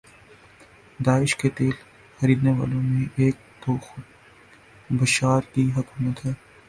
داعش سے تیل خرینے والوں میں ایک تو خود بشار کی حکومت ہے